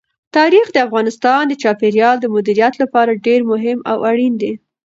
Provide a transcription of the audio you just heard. تاریخ د افغانستان د چاپیریال د مدیریت لپاره ډېر مهم او اړین دي.